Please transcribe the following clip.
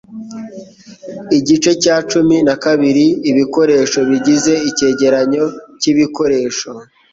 Igice cya cumi na kabiri ibikoresho bigize icyegeranyo cyibikoresho.